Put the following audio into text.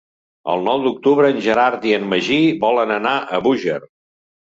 El nou d'octubre en Gerard i en Magí volen anar a Búger.